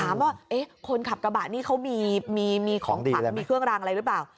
ถามว่าเอ๊ะคนขับกระบะนี่เขามีมีมีของดีอะไรไหมมีเครื่องรางอะไรหรือเปล่า